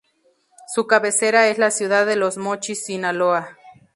Su cabecera es la ciudad de Los Mochis, Sinaloa.